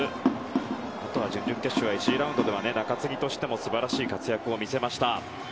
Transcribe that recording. あとは準々決勝１次ラウンドでは中継ぎとしても素晴らしい活躍を見せました。